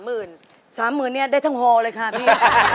๓๐๐๐๐บาทเนี่ยได้ทั้งหอเลยค่ะพี่